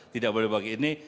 tidak boleh bagi ini